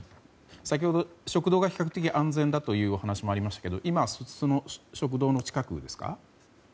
先ほど食堂が比較的安全だというお話がありましたけど今は食堂の近くですか？